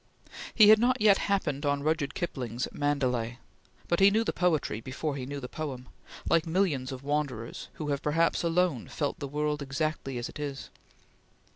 He had not yet happened on Rudyard Kipling's "Mandalay," but he knew the poetry before he knew the poem, like millions of wanderers, who have perhaps alone felt the world exactly as it is.